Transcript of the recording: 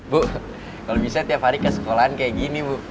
bu kalau bisa tiap hari ke sekolahan kayak gini bu